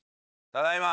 ただいま。